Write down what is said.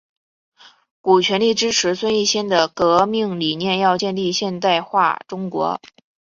古全力支持孙逸仙的革命理念要建立现代化中国。